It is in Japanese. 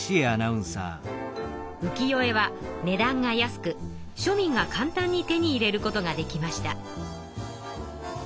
浮世絵はねだんが安く庶民が簡単に手に入れることができました。